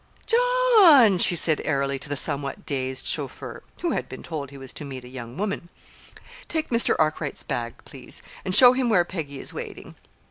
"John," she said airily to the somewhat dazed chauffeur (who had been told he was to meet a young woman), "take Mr. Arkwright's bag, please, and show him where Peggy is waiting.